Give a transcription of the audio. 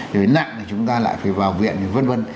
rồi nặng thì chúng ta lại phải vào viện vân vân